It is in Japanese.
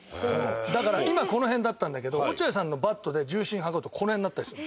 だから、今この辺だったんだけど落合さんのバットで重心測るとこの辺になったりするの。